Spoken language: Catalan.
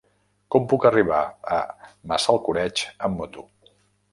Com puc arribar a Massalcoreig amb moto?